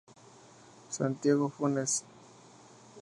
Santiago Funes.